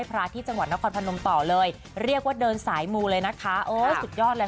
พี่แจ๊กจะเก็บทุกเม้นเลยนะ